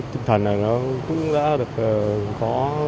tinh thần cũng đã được